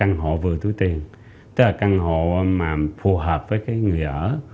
căn hộ vừa túi tiền tức là căn hộ mà phù hợp với cái người ở